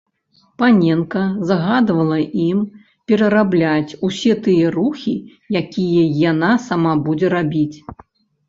Паненка загадвала ім перарабляць усе тыя рухі, якія яна сама будзе рабіць.